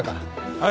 はい。